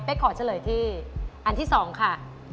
ขอเฉลยที่อันที่๒ค่ะ